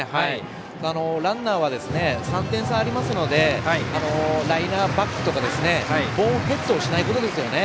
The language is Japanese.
ランナーは３点差ありますのでライナーバックとかボーンヘッドをしないことですね。